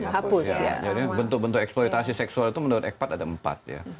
jadi bentuk bentuk eksploitasi seksual itu menurut egpat ada empat ya